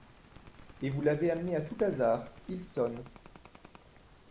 Et vous l'avez amené à tout hasard, il sonne.